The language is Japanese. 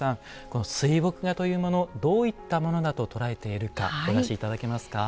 この水墨画というものどういったものだと捉えているかお出し頂けますか。